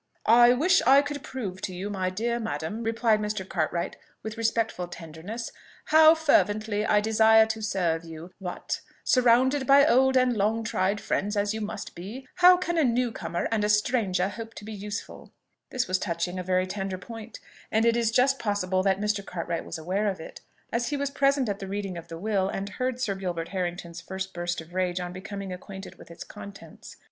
"I wish I could prove to you, my dear madam," replied Mr. Cartwright with respectful tenderness, "how fervently I desire to serve you: but, surrounded by old and long tried friends as you must be, how can a new comer and a stranger hope to be useful?" This was touching a very tender point and it is just possible that Mr. Cartwright was aware of it, as he was present at the reading of the will, and heard Sir Gilbert Harrington's first burst of rage on becoming acquainted with its contents.